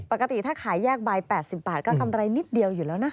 ปกติถ้าขายแยกใบ๘๐บาทก็กำไรนิดเดียวอยู่แล้วนะ